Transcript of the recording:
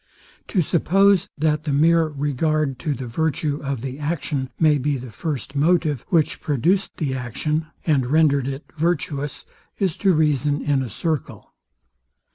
To suppose, that the mere regard to the virtue of the action may be the first motive, which produced the action, and rendered it virtuous, is to reason in a circle.